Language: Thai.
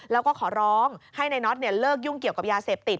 แล้วก็ขอร้องให้นายน็อตเลิกยุ่งเกี่ยวกับยาเสพติด